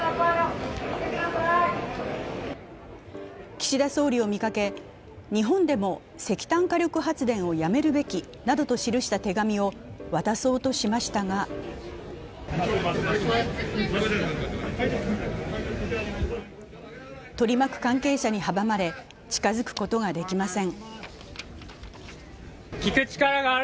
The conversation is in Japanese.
岸田総理を見掛け、日本でも石炭火力発電をやめるべきなどと記した手紙を渡そうとしましたが取り巻く関係者に阻まれ近づくことができません。